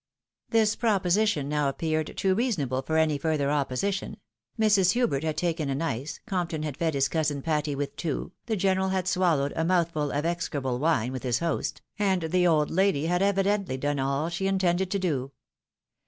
This proposition now appeared too reasonable for any further opposition ; Mrs. Hubert had taken an ice, Compton had fed his cousin JPatty with two, the general had swallowed a mouth ful of execrable wine with his host, and the old lady had evidently done all she intended to do.